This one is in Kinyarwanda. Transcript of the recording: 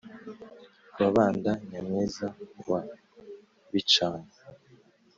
ababanda nyamwiza wa bicano